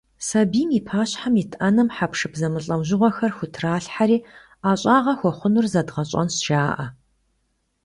Сабийм и пащхьэм ит Ӏэнэм хьэпшып зэмылӀэужьыгъуэхэр хутралъхьэри, «ӀэщӀагъэ хуэхъунур зэдгъэщӀэнщ» жаӀэ.